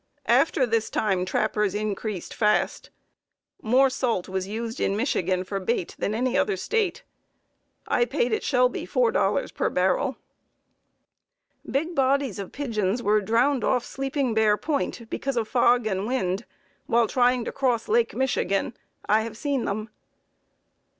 After this time, trappers increased fast. More salt was used in Michigan for bait than any other State. I paid at Shelby $4 per barrel. Big bodies of pigeons were drowned off Sleeping Bear Point because of fog and wind, while trying to cross Lake Michigan. I have seen them.